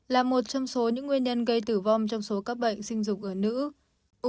là một trong số những nguyên nhân gây tử vong trong số các bệnh sinh dục ở nữ